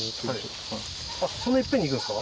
そんないっぺんにいくんですか？